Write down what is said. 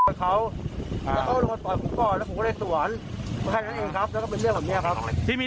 เออบึษรถใส่พี่